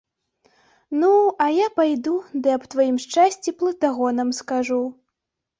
Ну, а я пайду ды аб тваім шчасці плытагонам скажу.